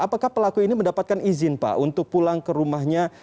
apakah pelaku ini mendapatkan izin pak untuk pulang ke rumahnya